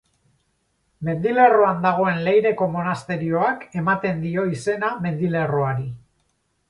Mendilerroan dagoen Leireko monasterioak ematen dio izena mendilerroari.